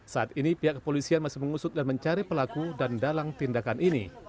saat ini pihak kepolisian masih mengusut dan mencari pelaku dan dalang tindakan ini